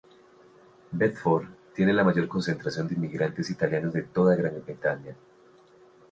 Bedford tiene la mayor concentración de inmigrantes italianos de toda Gran Bretaña.